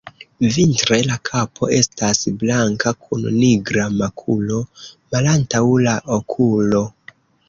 Vintre la kapo estas blanka kun nigra makulo malantaŭ la okulo.